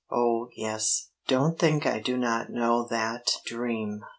Oh, yes don't think I do not know that dream.